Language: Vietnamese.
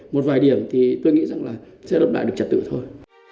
một vài điểm thì tôi nghĩ rằng là sẽ lập lại được trật tự thôi